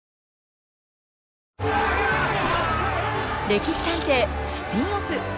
「歴史探偵」スピンオフ。